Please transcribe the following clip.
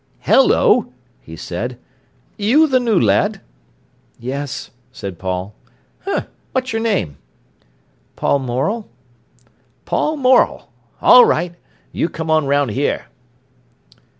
"Hello!" he said. "You the new lad?" "Yes," said Paul. "H'm! What's your name?" "Paul Morel." "Paul Morel? All right, you come on round here."